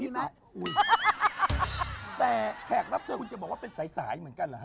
แต่แขกรับเชิญคุณจะบอกว่าเป็นสายเหมือนกันเหรอ